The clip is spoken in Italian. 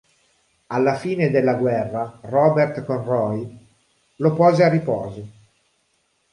Alla fine della guerra, Robert Conroy lo pose a riposo.